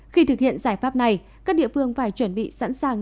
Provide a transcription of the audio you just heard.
khi thực hiện giải pháp này các địa phương phải chuẩn bị sẵn sàng